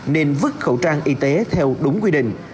nên vứt khẩu trang y tế theo đúng quy định